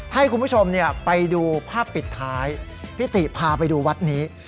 ให้คุณผู้ชมไปดูภาพปิดท้ายพี่ติพาไปดูวัดนี้